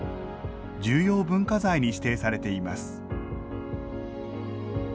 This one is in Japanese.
重要文化財に指定されています